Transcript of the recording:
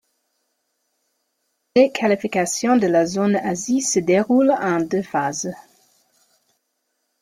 Les qualifications de la zone Asie se déroulent en deux phases.